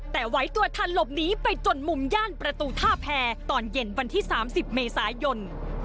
แต่ไหวตัวทันหลบหนีไปจนมุมย่านประตูท่าแพรตอนเย็นวันที่๓๐เมษายน